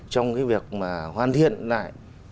trong cái việc mà hoàn thiện lại